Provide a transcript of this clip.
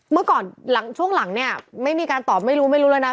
เมื่อก่อนช่วงหลังเนี่ยไม่มีการตอบไม่รู้แล้วนะ